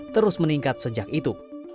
terus meningkat sejak itu